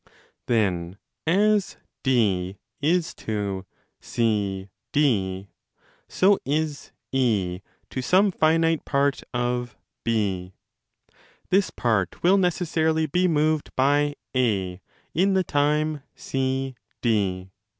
Then, as D is to CD, so is & to some finite part of B. This part will neces sarily be moved by A in the time CD.